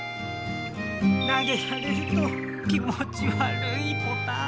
なげられると気持ちわるいポタ。